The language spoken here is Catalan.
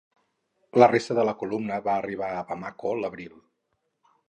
La resta de la columna va arribar a Bamako l'abril.